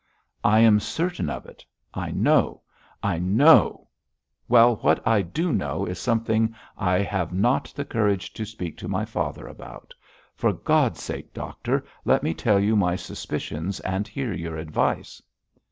'I am certain of it. I know I know well, what I do know is something I have not the courage to speak to my father about. For God's sake, doctor, let me tell you my suspicions and hear your advice.'